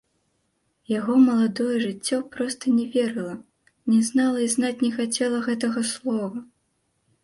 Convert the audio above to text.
Яго маладое жыццё проста не верыла, не знала і знаць не хацела гэтага слова.